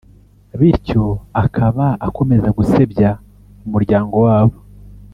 bityo akaba akomeza gusebya umuryango wabo